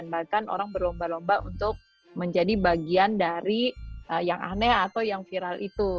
bahkan orang berlomba lomba untuk menjadi bagian dari yang aneh atau yang viral itu